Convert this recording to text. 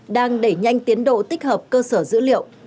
đã nhanh tiến độ tích hợp cơ sở dữ liệu